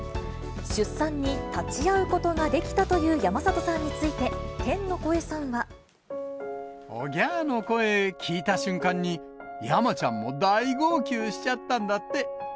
出産に立ち会うことができたという山里さんについて、天の声さんおぎゃーの声、聞いた瞬間に、山ちゃんも大号泣しちゃったんだって。